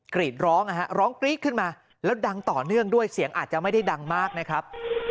กรีดร้องนะฮะร้องกรี๊ดขึ้นมาแล้วดังต่อเนื่องด้วยเสียงอาจจะไม่ได้ดังมากนะครับ